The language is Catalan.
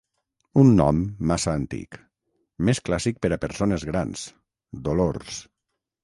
Un nom massa antic, més clàssic per a persones grans, Dolors...